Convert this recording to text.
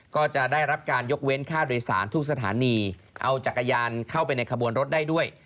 ก็จะได้รับการยกเว้นค่าโดยสารทุกสถานีเอาจักรยานเข้าไปในขบวนรถได้ด้วย